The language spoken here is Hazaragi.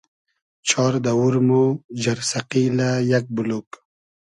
چار دئوور مۉ جئرسئقیلۂ یئگ بولوگ